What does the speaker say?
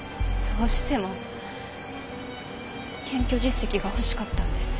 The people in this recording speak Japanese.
どうしても検挙実績が欲しかったんです。